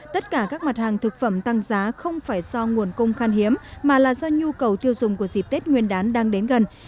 tất cả các mặt hàng thực phẩm tăng giá không phải do nguồn cung khan hiếm mà là do nhu cầu tiêu dùng của dịp tết nguyên đán đang đến gần